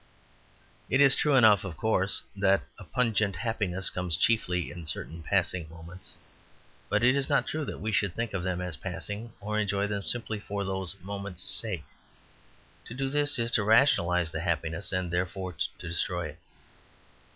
It is true enough, of course, that a pungent happiness comes chiefly in certain passing moments; but it is not true that we should think of them as passing, or enjoy them simply "for those moments' sake." To do this is to rationalize the happiness, and therefore to destroy it.